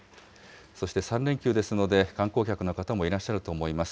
そして３連休ですので、観光客の方もいらっしゃると思います。